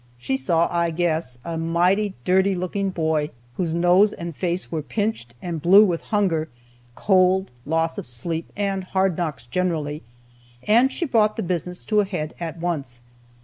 She saw, I guess, a mighty dirty looking boy, whose nose and face were pinched and blue with hunger, cold, loss of sleep, and hard knocks generally, and she brought the business to a head at once.